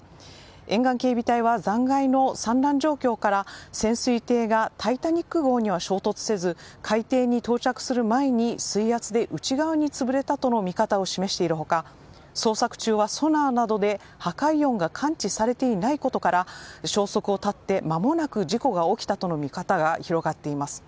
沿岸警備隊は残骸の散乱状況から潜水艇が「タイタニック」号には衝突せず海底に到着する前に水圧で内側につぶれたとの見方を示している他捜索中はソナーなどで破壊音が感知されていないことから消息を絶って間もなく事故が起きたとの見方が広がっています。